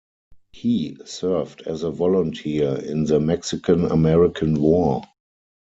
He served as a volunteer in the Mexican-American War.